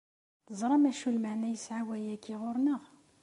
Teẓram acu lmeɛna yesɛa wayagi ɣer-neɣ?